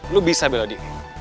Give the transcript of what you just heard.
lo bisa bela diri